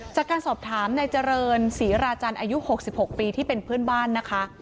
จากการสอบถามนายเจริญศรีราจันทร์อายุ๖๖ปีที่เป็นเพื่อนบ้านนะคะ